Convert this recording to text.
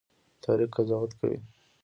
تاریخ قضاوت کوي